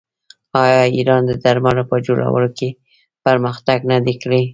آیا ایران د درملو په جوړولو کې پرمختګ نه دی کړی؟